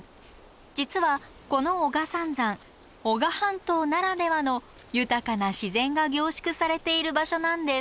実はこの男鹿三山男鹿半島ならではの豊かな自然が凝縮されている場所なんです。